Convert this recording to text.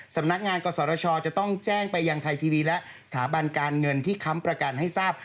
สำนักงานกศชจะต้องแจ้งไปยังไทยทีวีและสถาบันการเงินที่ค้ำประกันให้ทราบ